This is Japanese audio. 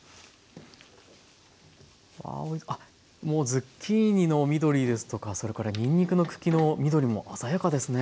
もうズッキーニの緑ですとかそれからにんにくの茎の緑も鮮やかですね。